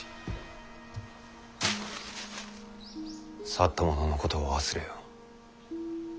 去った者のことは忘れよ。